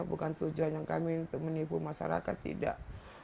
bukan tujuan yang kami untuk menipu masyarakat tidak